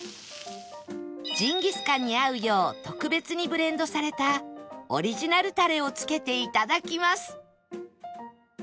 ジンギスカンに合うよう特別にブレンドされたオリジナルタレをつけて頂きます